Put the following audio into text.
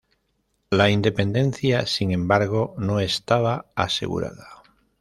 La independencia, sin embargo, no estaba asegurada.